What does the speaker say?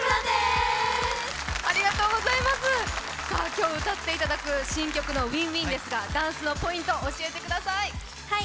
今日歌っていただく新曲の「ＷｉｎｇＷｉｎｇ」ですがダンスのポイント教えてください。